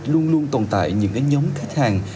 luôn luôn tồn tại những nhóm khách hàng